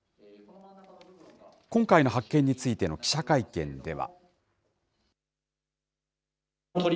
今回の発見についての記者会見では。